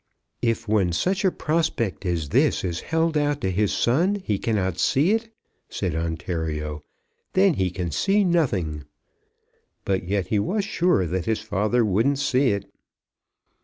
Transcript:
"If, when such a prospect as this is held out to his son, he cannot see it," said Ontario, "then he can see nothing!" But yet he was sure that his father wouldn't see it.